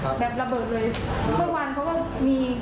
ตอนนี้ก็คือห้าสิบห้าสิบค่ะคือถ้าสมมุติว่าไม่ได้กลับที่มาดินที่